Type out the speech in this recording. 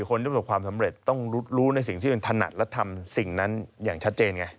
คนที่ประสบความสำเร็จต้องรู้ในสิ่งที่มันถนัดและทำสิ่งนั้นอย่างชัดเจนไง